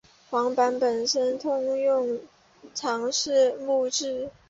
晃板本身通常是木制。